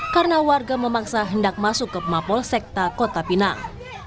karena warga memaksa hendak masuk ke mapolsekta kota pinang